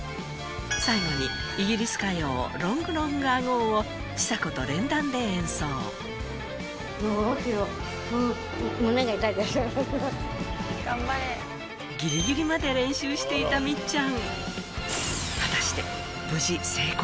最後にイギリス歌謡『Ｌｏｎｇ，ＬｏｎｇＡｇｏ』をちさ子と連弾で演奏ギリギリまで練習していたみっちゃん